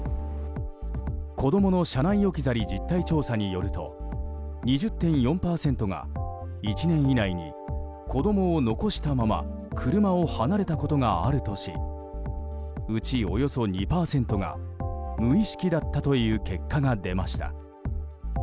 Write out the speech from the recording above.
子どもの車内置き去り実態調査によると２０．４％が１年以内に子供を残したまま車を離れたことがあるとしうち、およそ２％が無意識だったという結果が出ました。